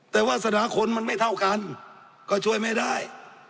แต่วาสนาคนมันไม่เท่ากันก็ช่วยไม่ได้